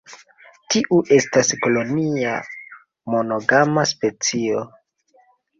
Tiu estas kolonia, monogama specio.